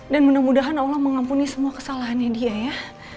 dan mudah mudahan allah mengampuni semua kesalahannya dia ya